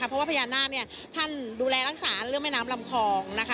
เพราะว่าพญานาคท่านดูแลรักษาเรื่องแม่น้ำลำคลอง